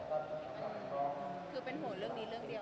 คือเป็นห่วงเรื่องนี้เรื่องเดียว